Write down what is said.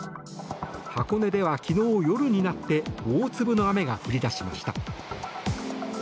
箱根では昨日夜になって大粒の雨が降り出しました。